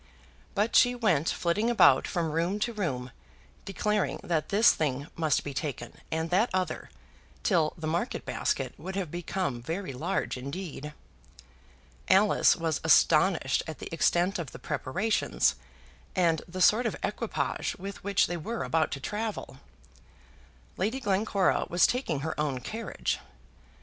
But she went flitting about from room to room, declaring that this thing must be taken, and that other, till the market basket would have become very large indeed. Alice was astonished at the extent of the preparations, and the sort of equipage with which they were about to travel. Lady Glencora was taking her own carriage.